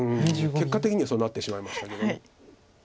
結果的にはそうなってしまいましたけど。